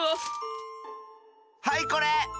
はいこれ！